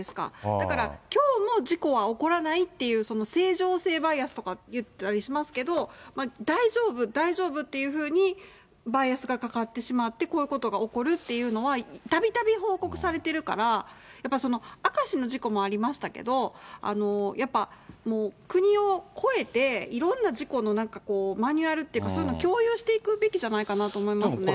だから、きょうも事故は起こらないっていう、その正常性バイアスとかいったりしますけれども、大丈夫、大丈夫っていうふうに、バイアスがかかってしまって、こういうことが起こるっていうのは、たびたび報告されてるから、やっぱり明石の事故もありましたけど、やっぱ国をこえて、いろんな事故のマニュアルっていうか、そういうのを共有していくべきじゃないかなと思いますね。